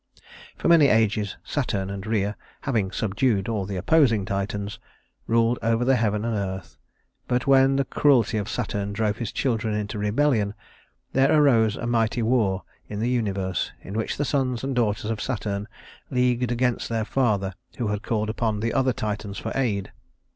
For many ages Saturn and Rhea, having subdued all the opposing Titans, ruled over heaven and earth; but when the cruelty of Saturn drove his children into rebellion, there arose a mighty war in the universe, in which the sons and daughters of Saturn leagued against their father, who had called upon the other Titans for aid.